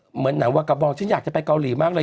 เหมือนหนังวากาบองฉันอยากจะไปเกาหลีมากเลย